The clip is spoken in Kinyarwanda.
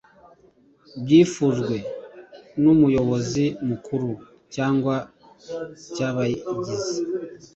byifujwe n Umuyobozi Mukuru cyangwa cy abayigize